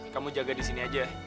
kamu jaga disini aja